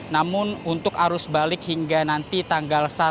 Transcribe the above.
namun untuk arus balik hingga nanti tanggal satu